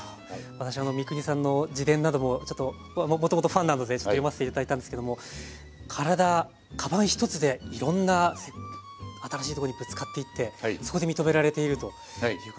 私三國さんの自伝などもちょっともともとファンなのでちょっと読ませて頂いたんですけども体かばん１つでいろんな新しいとこにぶつかっていってそこで認められているという感じでそのチャレンジ